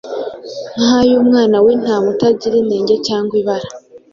nk’ay’umwana w’intama utagira inenge cyangwa ibara,